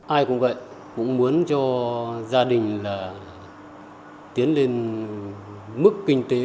ai cũng vậy cũng muốn cho gia đình là tiến lên mức kinh tế